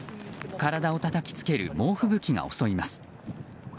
体をたたきつける猛吹雪が襲います。